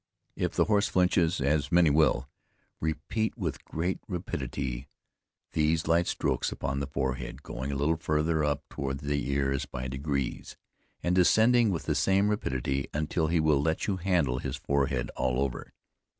If the horse flinches, (as many will,) repeat with great rapidity these light strokes upon the forehead, going a little further up towards his ears by degrees, and descending with the same rapidity until he will let you handle his forehead all over.